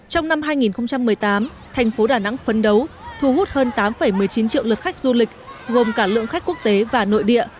trong năm hai nghìn một mươi tám thành phố đà nẵng phấn đấu thu hút hơn tám một mươi chín triệu lượt khách du lịch gồm cả lượng khách quốc tế và nội địa